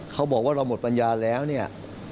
เขาบอกว่าเราหมดปัญญาแล้วเนี่ย